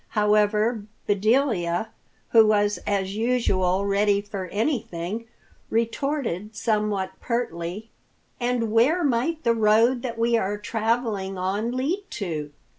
However, Bedelia, who was as usual ready for anything, retorted somewhat pertly, "And where might the road that we are traveling on lead to?"